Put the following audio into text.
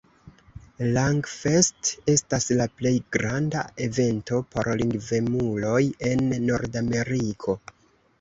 Langfest estas la plej granda evento por lingvemuloj en Nordameriko.